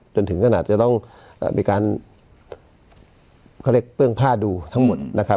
จนถึงขนาดจะต้องมีการเขาเรียกเปื้องผ้าดูทั้งหมดนะครับ